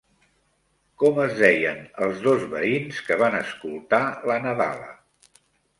Com es deien els dos veïns que van escoltar la nadala?